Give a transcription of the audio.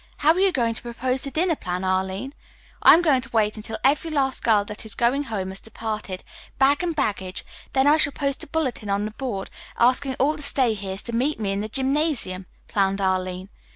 How are you going to propose the dinner plan, Arline?" "I'm going to wait until every last girl that is going home has departed, bag and baggage; then I shall post a bulletin on the big board, asking all the stay heres to meet me in the gymnasium," planned Arline.